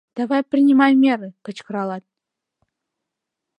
— Давай принимай меры!» — кычкырлат.